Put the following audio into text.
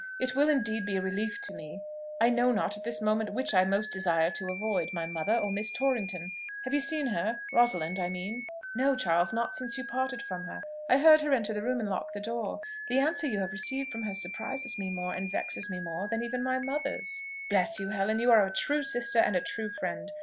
It will indeed be a relief to me. I know not at this moment which I most desire to avoid my mother, or Miss Torrington. Have you seen her Rosalind, I mean?" "No, Charles, not since you parted from her. I heard her enter her room and lock the door. The answer you have received from her surprises me more, and vexes me more, than even my mother's." "Bless you, Helen! you are a true sister and a true friend.